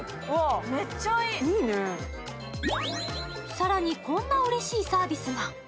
更にこんなうれしいサービスが。